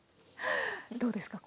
どうですか？